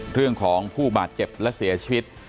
เรื่องของผู้บาดเจ็บและเสียชีวิต